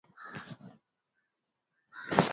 bei za masoko ziko katika orodha ya maandishi